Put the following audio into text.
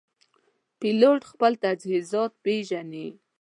پیلوټ خپل تجهیزات پېژني.